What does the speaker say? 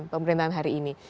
pemerintahan hari ini